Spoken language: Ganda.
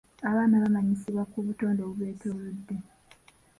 Abaana bamanyisibwa ku butonde obubeetoolodde.